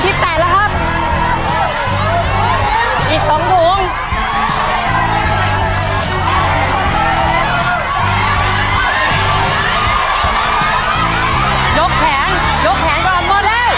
ยกแขนยกแขนก็ออกหมดแล้ว